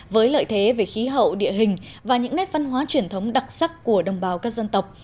với lợi thế về khí hậu địa hình và những nét văn hóa truyền thống đặc sắc của đồng bào các dân tộc